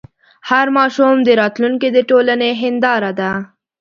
هر ماشوم د راتلونکي د ټولنې هنداره ده.